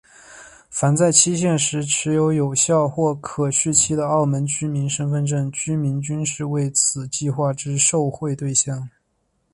凡在限期时持有有效或可续期的澳门居民身份证居民均是为此计划之受惠对象。